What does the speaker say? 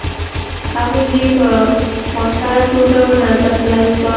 هغوی یې په موثره توګه ونه ځپلای سوای.